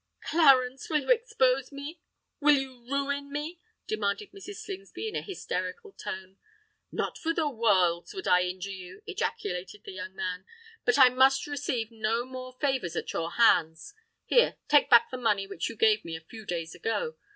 "Clarence, will you expose me? will you ruin me?" demanded Mrs. Slingsby, in a hysterical tone. "Not for worlds would I injure you!" ejaculated the young man. "But I must receive no more favours at your hands! Here—take back the money which you gave me a few days ago.